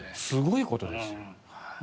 すごいことです。